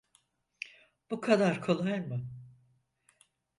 Bu kadar kolay mı?